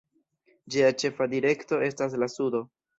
Ĝia ĉefa direkto estas la sudo.